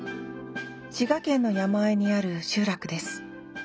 滋賀県の山あいにある集落です。